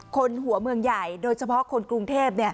คนหัวเมืองใหญ่โดยเฉพาะคนกรุงเทพ